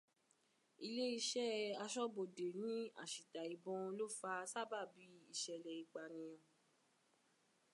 Iléeṣẹ́ aṣọ́bodè ní àṣìta ìbọn ló fa sábàbí ìṣẹ̀lẹ̀ ìpanìyàn.